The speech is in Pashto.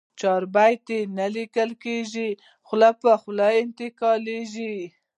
چاربیتې نه لیکل کېږي، خوله په خوله انتقالېږي.